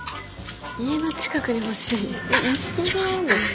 家の近くに欲しい。